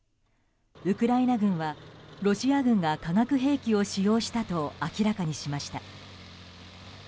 ウクライナ軍はロシア軍が化学兵器を使用したと明らかにしました。